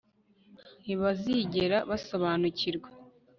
Ntibazigera basobanukirwa